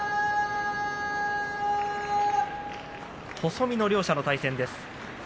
細身の両者の対戦です。